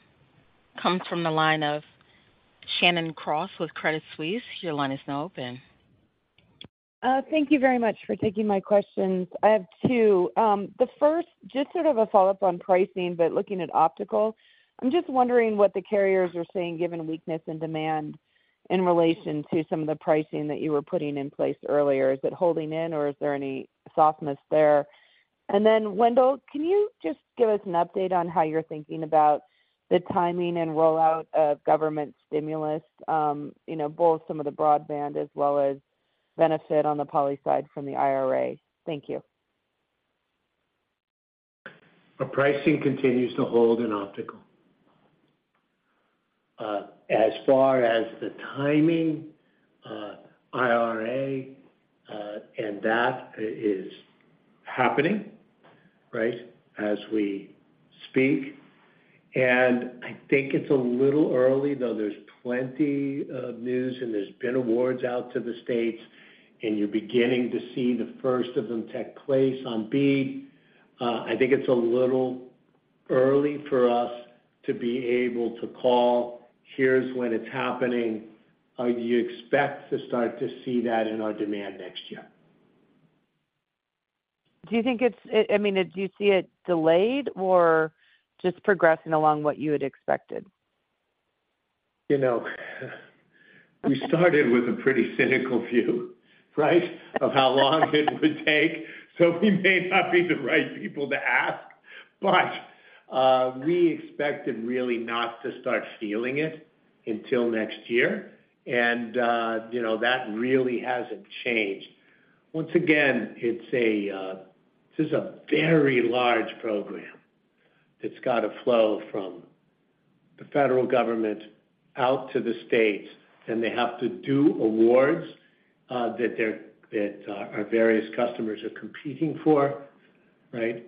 comes from the line of Shannon Cross with Credit Suisse. Your line is now open. Thank you very much for taking my questions. I have two. The first, just sort of a follow-up on pricing, looking at optical. I'm just wondering what the carriers are saying, given weakness and demand in relation to some of the pricing that you were putting in place earlier. Is it holding in, or is there any softness there? Wendell, can you just give us an update on how you're thinking about the timing and rollout of government stimulus, you know, both some of the broadband as well as benefit on the poly side from the IRA? Thank you. Our pricing continues to hold in optical. As far as the timing, IRA, that is happening, right, as we speak, I think it's a little early, though there's plenty of news, there's been awards out to the states, you're beginning to see the first of them take place on BEAD. I think it's a little early for us to be able to call, "Here's when it's happening," you expect to start to see that in our demand next year. Do you think I mean, do you see it delayed or just progressing along what you had expected? You know, we started with a pretty cynical view, right? Of how long it would take, so we may not be the right people to ask. We expected really not to start feeling it until next year, and, you know, that really hasn't changed. Once again, it's a, this is a very large program that's got to flow from the federal government out to the states, and they have to do awards, that their, that, our various customers are competing for, right?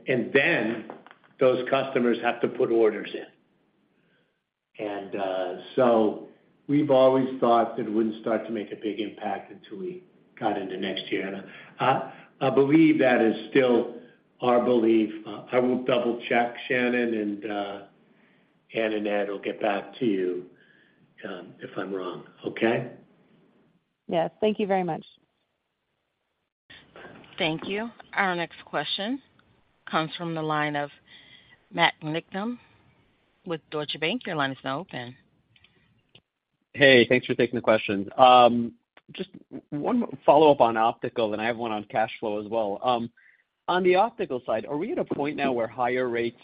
Those customers have to put orders in. So we've always thought that it wouldn't start to make a big impact until we got into next year. I believe that is still our belief. I will double-check Shannon, and, Ann and Ed will get back to you, if I'm wrong. Okay? Yes. Thank you very much. Thank you. Our next question comes from the line of Matthew Niknam with Deutsche Bank. Your line is now open. Hey, thanks for taking the question. just one follow-up on optical, and I have one on cash flow as well. On the optical side, are we at a point now where higher rates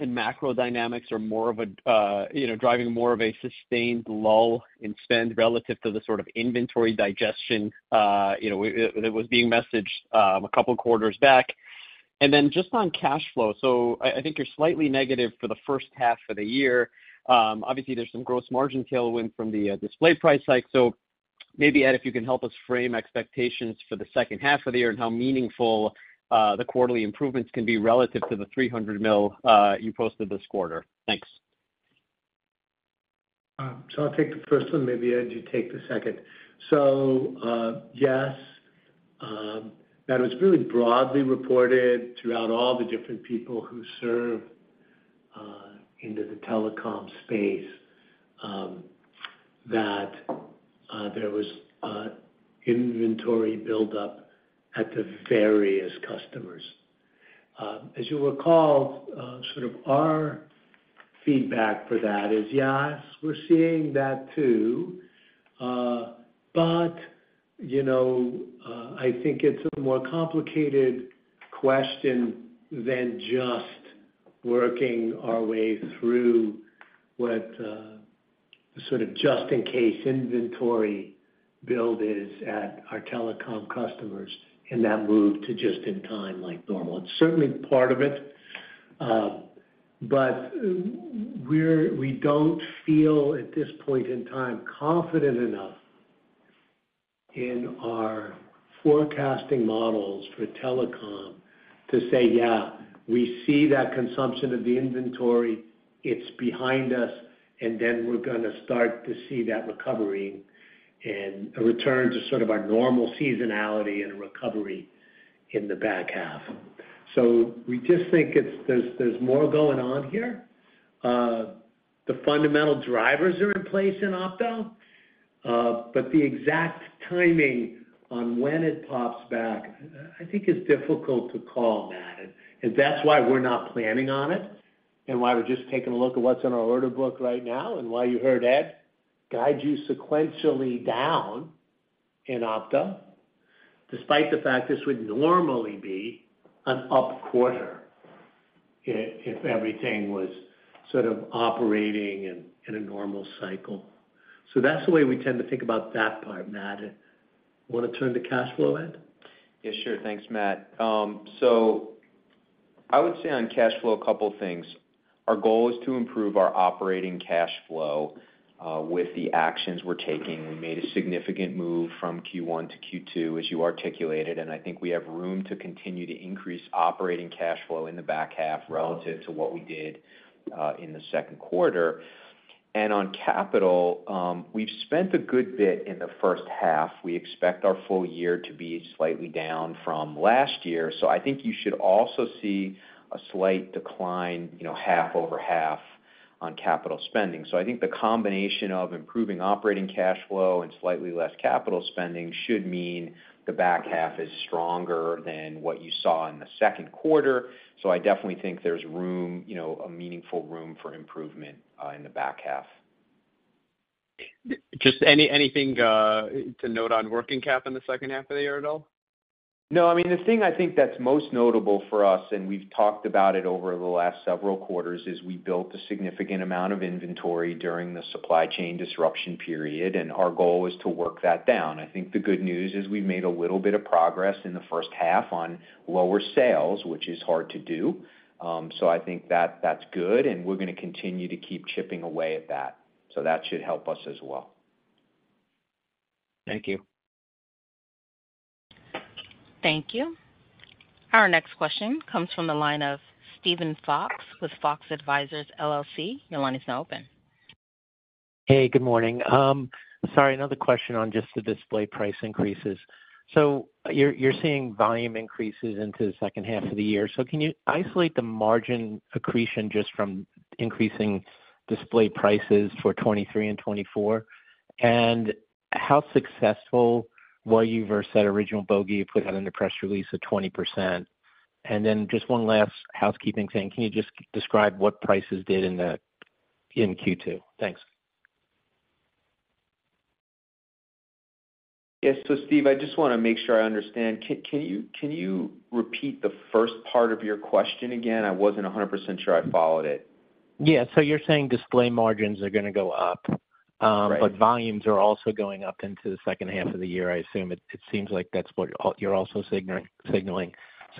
and macro dynamics are more of a, you know, driving more of a sustained lull in spend relative to the sort of inventory digestion, you know, that was being messaged a couple quarters back? And then just on cash flow, I think you're slightly negative for the H1. Obviously, there's some gross margin tailwind from the display price hike. Maybe, Ed, if you can help us frame expectations for H2 and how meaningful the quarterly improvements can be relative to the $300 million you posted this quarter. Thanks. I'll take the first one, maybe Ed, you take the second. Yes, that was really broadly reported throughout all the different people who serve into the telecom space that there was a inventory buildup at the various customers. As you'll recall, sort of our feedback for that is, yes, we're seeing that too. But, you know, I think it's a more complicated question than just working our way through what sort of just in case inventory build is at our telecom customers, and that moved to just in time like normal. It's certainly part of it. We don't feel, at this point in time, confident enough in our forecasting models for telecom to say, "Yeah, we see that consumption of the inventory, it's behind us, and then we're gonna start to see that recovery and a return to sort of our normal seasonality and recovery in the back half." We just think there's more going on here. The fundamental drivers are in place in Opto, but the exact timing on when it pops back, I think, is difficult to call, Matt. That's why we're not planning on it, and why we're just taking a look at what's in our order book right now, and why you heard Ed guide you sequentially down in Opto, despite the fact this would normally be an up quarter if everything was sort of operating in a normal cycle. That's the way we tend to think about that part, Matt. Want to turn to cash flow, Ed? Yeah, sure. Thanks. I would say on cash flow, a couple things. Our goal is to improve our operating cash flow with the actions we're taking. We made a significant move from Q1 to Q2, as you articulated, and I think we have room to continue to increase operating cash flow in the back half relative to what we did in the Q2. On capital, we've spent a good bit in the first half. We expect our full year to be slightly down from last year, so I think you should also see a slight decline, you know, half over half on capital spending. I think the combination of improving operating cash flow and slightly less capital spending should mean the back half is stronger than what you saw in the Q2. I definitely think there's room, you know, a meaningful room for improvement, in the back half. Anything to note on working cap in H2 at all? No. I mean, the thing I think that's most notable for us, and we've talked about it over the last several quarters, is we built a significant amount of inventory during the supply chain disruption period, and our goal is to work that down. I think the good news is we've made a little bit of progress in the first half on lower sales, which is hard to do. I think that that's good, and we're gonna continue to keep chipping away at that. That should help us as well. Thank you. Thank you. Our next question comes from the line of Steven Fox with Fox Advisors LLC. Your line is now open. Hey, good morning. Sorry, another question on just the display price increases. You're seeing volume increases into the H2. Can you isolate the margin accretion just from increasing display prices for 2023 and 2024? How successful were you versus that original bogey you put out in the press release of 20%? Just one last housekeeping thing. Can you just describe what prices did in Q2? Thanks. Yes. Steve, I just want to make sure I understand. Can you repeat the first part of your question again? I wasn't 100% sure I followed it. Yeah. You're saying display margins are gonna go up-? Right. volumes are also going up into the H2, I assume. It, it seems like that's what you're also signaling.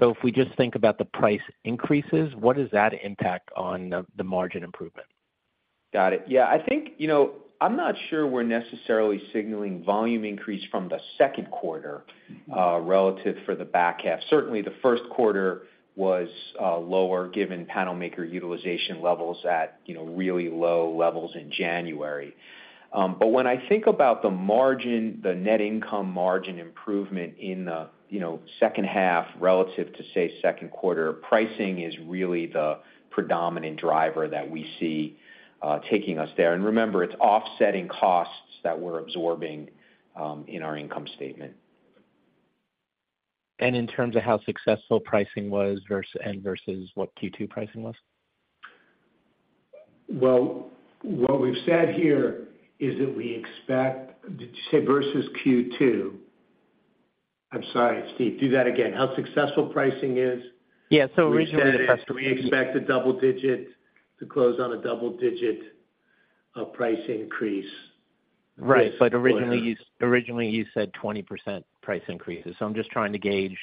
If we just think about the price increases, what is that impact on the margin improvement? Got it. Yeah, I think, you know, I'm not sure we're necessarily signaling volume increase from the Q2, relative for the back half. Certainly, the Q1 was lower, given panel maker utilization levels at, you know, really low levels in January. When I think about the margin, the net income margin improvement in the, you know, second half relative to, say, Q2, pricing is really the predominant driver that we see, taking us there. Remember, it's offsetting costs that we're absorbing in our income statement. In terms of how successful pricing was versus what Q2 pricing was? Well, what we've said here is that we expect. Did you say versus Q2? I'm sorry, Steve, do that again. How successful pricing is? Yeah. We expect to close on a double-digit price increase. Right. Yes, go ahead. Originally, you said 20% price increases. I'm just trying to gauge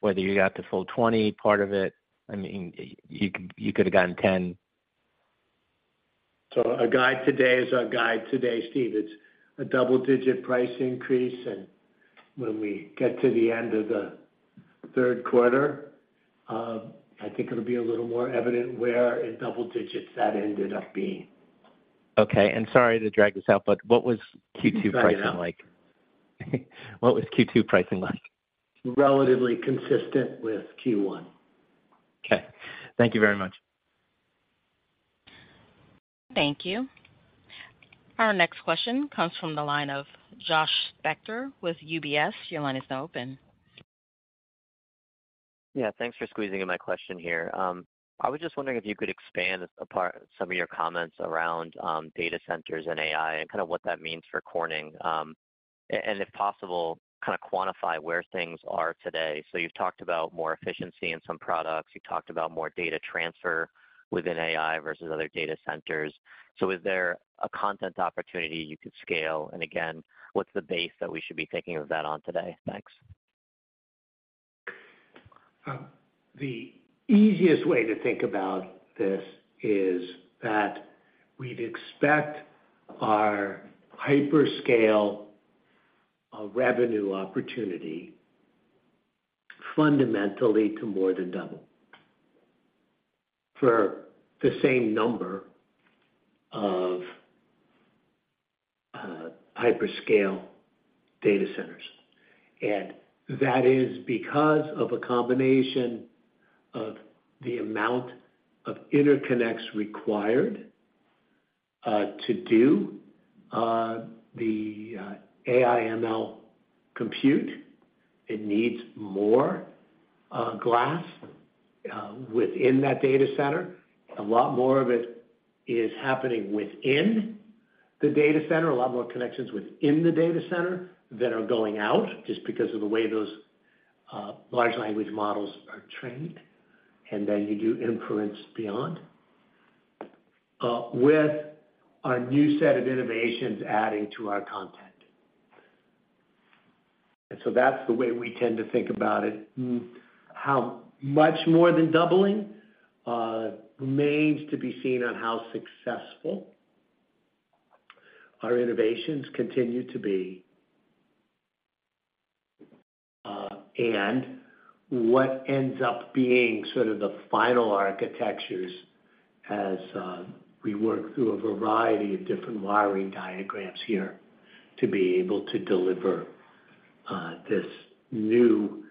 whether you got the full 20 part of it. I mean, you could have gotten 10. Our guide today is our guide today, Steve. It's a double-digit price increase, and when we get to the end of the Q3, I think it'll be a little more evident where in double digits that ended up being. Okay, sorry to drag this out, but what was Q2 pricing like? Not at all. What was Q2 pricing like? Relatively consistent with Q1. Okay. Thank you very much. Thank you. Our next question comes from the line of Josh Spector with UBS. Your line is now open. Thanks for squeezing in my question here. I was just wondering if you could expand upon some of your comments around data centers and AI, and kind of what that means for Corning. If possible, kind of quantify where things are today. You've talked about more efficiency in some products. You talked about more data transfer within AI versus other data centers. Is there a content opportunity you could scale? Again, what's the base that we should be thinking of that on today? Thanks. The easiest way to think about this is that we'd expect our hyperscale of revenue opportunity fundamentally to more than double for the same number of hyperscale data centers. That is because of a combination of the amount of interconnects required to do the AI/ML compute. It needs more glass within that data center. A lot more of it is happening within the data center, a lot more connections within the data center than are going out, just because of the way those LLMs are trained, and then you do inference beyond. With a new set of innovations adding to our content. That's the way we tend to think about it. How much more than doubling remains to be seen on how successful our innovations continue to be. What ends up being sort of the final architectures as we work through a variety of different wiring diagrams here to be able to deliver this new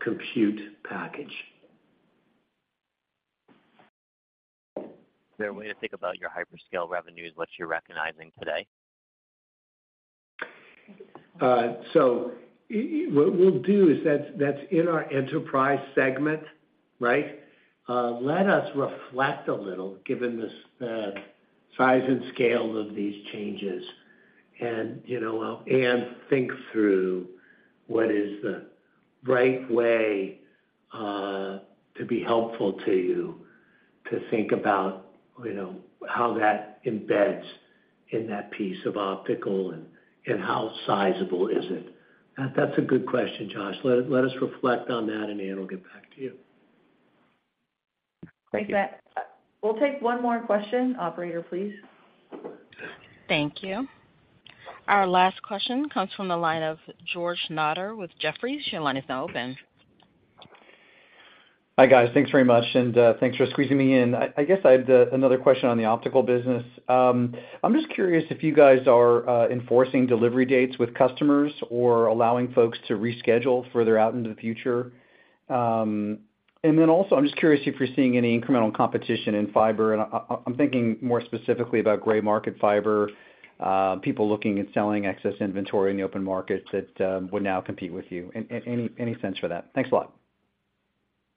compute package. Is there a way to think about your hyperscale revenues, what you're recognizing today? What we'll do is that's in our enterprise segment, right? Let us reflect a little, given the size and scale of these changes. You know, and think through what is the right way to be helpful to you to think about, you know, how that embeds in that piece of optical and how sizable is it? That's a good question, Josh. Let us reflect on that, Ann will get back to you. Great, thanks. We'll take one more question. Operator, please. Thank you. Our last question comes from the line of George Notter with Jefferies. Your line is now open. Hi, guys. Thanks very much, and thanks for squeezing me in. I guess I had another question on the optical business. I'm just curious if you guys are enforcing delivery dates with customers or allowing folks to reschedule further out into the future. Also, I'm just curious if you're seeing any incremental competition in fiber. I'm thinking more specifically about gray market fiber, people looking at selling excess inventory in the open markets that would now compete with you. Any sense for that? Thanks a lot.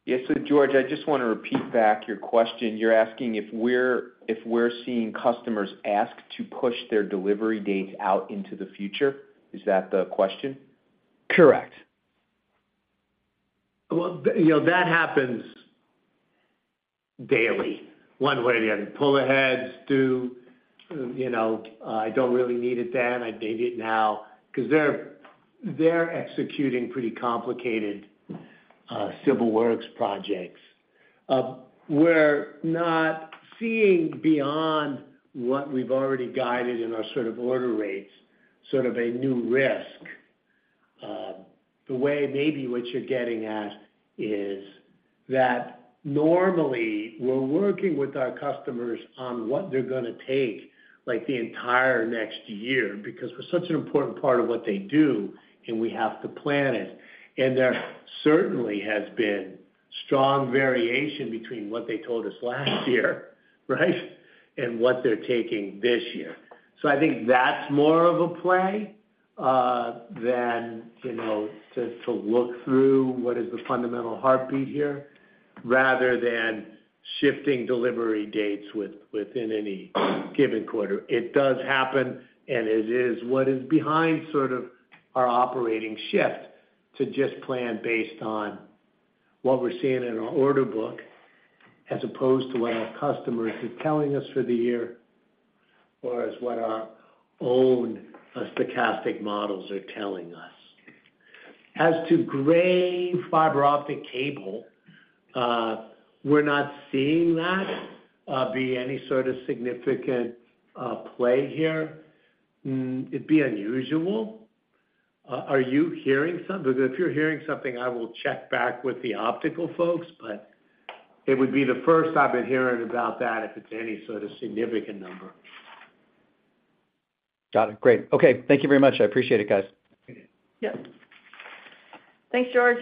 Yeah. George, I just want to repeat back your question. You're asking if we're seeing customers ask to push their delivery dates out into the future, is that the question? Correct. Well, you know, that happens daily, one way or the other. Pull aheads do, you know, I don't really need it then, I need it now. 'Cause they're executing pretty complicated civil works projects. We're not seeing beyond what we've already guided in our sort of order rates, sort of a new risk. The way maybe what you're getting at is that normally, we're working with our customers on what they're gonna take, like, the entire next year, because we're such an important part of what they do, and we have to plan it. There certainly has been strong variation between what they told us last year, right? What they're taking this year. I think that's more of a play than, you know, to look through what is the fundamental heartbeat here, rather than shifting delivery dates within any given quarter. It does happen, and it is what is behind sort of our operating shift, to just plan based on what we're seeing in our order book, as opposed to what our customers are telling us for the year, or is what our own stochastic models are telling us. As to gray fiber optic cable, we're not seeing that be any sort of significant play here. It'd be unusual. Are you hearing something? If you're hearing something, I will check back with the optical folks, but it would be the first I've been hearing about that, if it's any sort of significant number. Got it. Great. Okay, thank you very much. I appreciate it, guys. Yep. Thanks, George.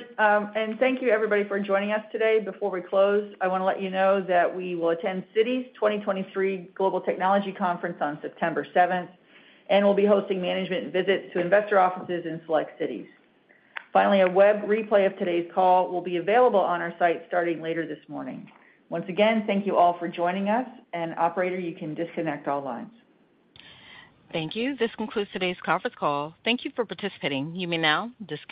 Thank you, everybody, for joining us today. Before we close, I want to let you know that we will attend Citi's 2023 Global Technology Conference on 7 September 2023, we'll be hosting management visits to investor offices in select cities. Finally, a web replay of today's call will be available on our site starting later this morning. Once again, thank you all for joining us, operator, you can disconnect all lines. Thank you. This concludes today's conference call. Thank you for participating. You may now disconnect.